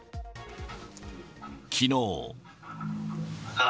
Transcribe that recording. きのう。